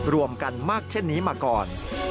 รวมกันมากเช่นนี้มาก่อน